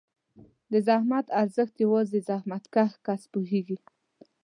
د زحمت ارزښت یوازې زحمتکښ کس پوهېږي.